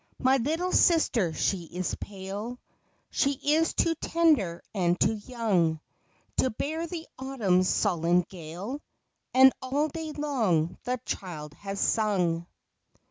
My little sister she is pale; She is too tender and too young To bear the autumn's sullen gale. And all day long the child has sung.